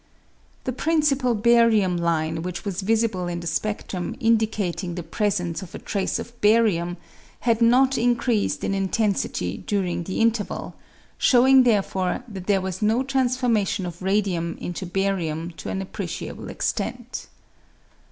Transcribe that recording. The principal barium line, which was visible in the speftrum, indicating the presence of a trace of barium, had not increased in intensity during the interval, sho\ving therefore that there was no transformation of radium into barium to an appreciable extent.